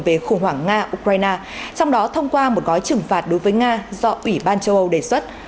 về khủng hoảng nga ukraine trong đó thông qua một gói trừng phạt đối với nga do ủy ban châu âu đề xuất